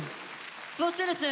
そしてですね